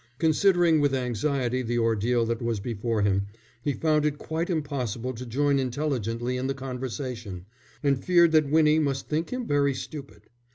Considering with anxiety the ordeal that was before him, he found it quite impossible to join intelligently in the conversation, and feared that Winnie must think him very stupid.